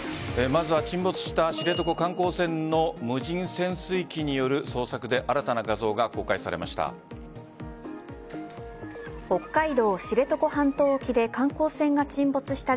まずは沈没した知床観光船の無人潜水機による捜索で新たな画像が公開されました。